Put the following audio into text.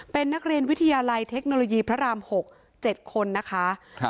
เป็นนักเรียนวิทยาลัยเทคโนโลยีพระราม๖๗คนนะคะ